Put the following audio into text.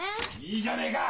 いいじゃねえか！